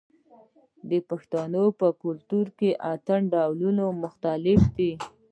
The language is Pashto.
د پښتنو په کلتور کې د اتن ډولونه مختلف دي.